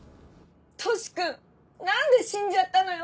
トシ君何で死んじゃったのよ